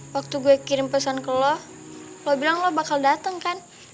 waktu gue kirim pesan ke lo lo bilang lo bakal datang kan